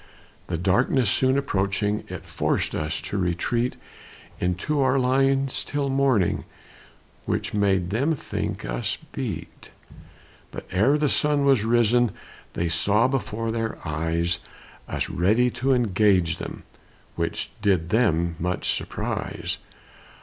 The darkness soon approaching, It forced us to retreat Into our lines till morning, Which made them think us beat; But ere the sun was risen, They saw before their eyes Us ready to engage them, Which did them much surprise.